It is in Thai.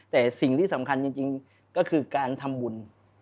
แต่สิ่งที่สำคัญจริงก็คือการทำบุญ